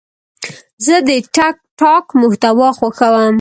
زه د ټک ټاک محتوا خوښوم.